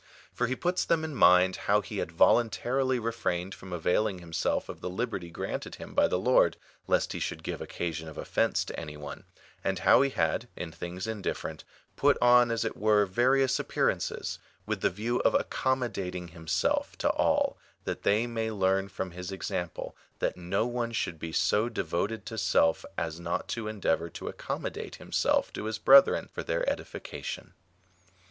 For he puts them in mind how he had voluntarily refrained from availing himself of the liberty granted him by the Lord, lest he should give occasion of offence to any one, and how he had, in things indifferent, put on as it were various appearances, with the view of accommodating himself to all, that they may learn from his example that no one should be so devoted to self as not to endeavour to accommodate himself to his brethren for their edification.